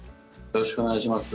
よろしくお願いします。